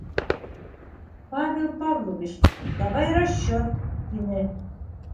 — Павел Павлович, давай расчет, — тине.